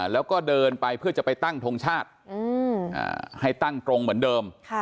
แล้วก็เดินไปเพื่อจะไปตั้งทงชาติให้ตั้งตรงเหมือนเดิม